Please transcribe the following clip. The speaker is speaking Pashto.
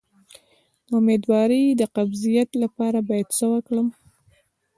د امیدوارۍ د قبضیت لپاره باید څه وکړم؟